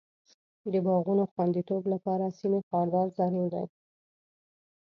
د باغونو خوندیتوب لپاره سیم خاردار ضرور دی.